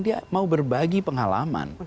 dia mau berbagi pengalaman